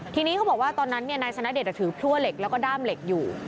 ทีนี้เขาบอกว่าตอนนั้นนายธนเดชถือพลั่วเหล็กแล้วก็ด้ามเหล็กอยู่